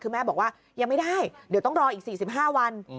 คือแม่บอกว่ายังไม่ได้เดี๋ยวต้องรออีก๔๕วัน